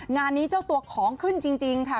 งานนี้เจ้าตัวของขึ้นจริงค่ะ